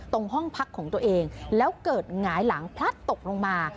ห้องพักของตัวเองแล้วเกิดหงายหลังพลัดตกลงมา